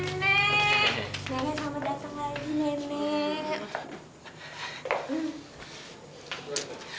senangnya selamat datang lagi nenek